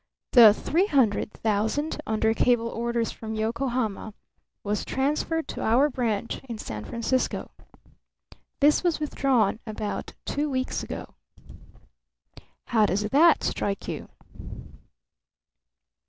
The three hundred thousand, under cable orders from Yokohama, was transferred to our branch in San Francisco. This was withdrawn about two weeks ago. How does that strike you?"